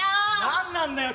「何なんだよ